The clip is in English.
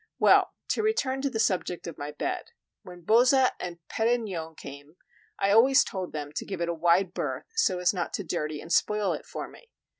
Well, to return to the subject of my bed; when Bozza and Pedignone came, I always told them to give it a wide berth, so as not to dirty and spoil it for me.